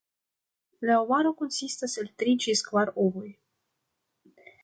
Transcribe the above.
La ovaro konsistas el tri ĝis kvar ovoj.